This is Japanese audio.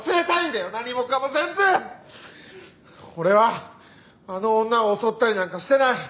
俺はあの女を襲ったりなんかしてない。